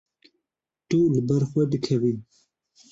Tu li ber xwe dikevî.